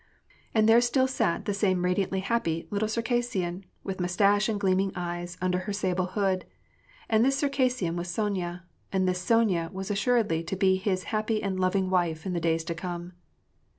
And there still sat the same radiantly happy little Circassian, with mustache and gleaming eyes, under her sable hood ; and this Circassian was Sonya, and this Sonya was as suredly to be his happy and loving wife in the days to come